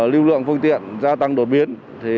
lưu lượng phương tiện gia tăng đột biến